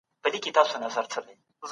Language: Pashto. هغه ښځه چي تنور ته ورته ده اور لري.